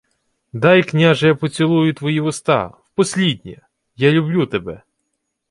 — Дай, княже, я поцілую твої вуста. Впосліднє. Я люблю тебе.